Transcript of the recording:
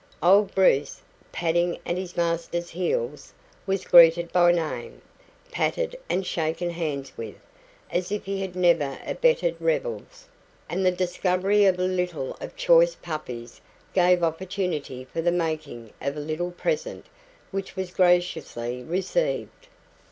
Old Bruce, padding at his master's heels, was greeted by name, patted and shaken hands with, as if he had never abetted rebels; and the discovery of a litter of choice puppies gave opportunity for the making of a little present, which was graciously received.